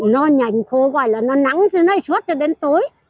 nó nhanh khô gọi là nó nắng nó suốt cho đến tối